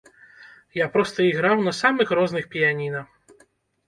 Я проста іграў на самых розных піяніна.